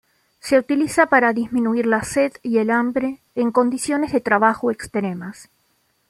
Se utiliza para disminuir la sed y el hambre en condiciones de trabajo extremas.